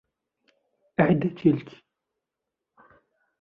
اعد تلك!